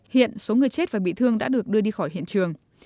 hiện số người chết và bị thương đã được đưa đi khỏi hiện trường